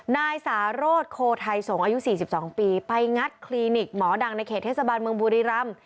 นายสารสโคไทยสงฆ์อายุ๔๒ปีไปงัดคลินิกหมอดังในเขตเทศบาลเมืองบุรีรำ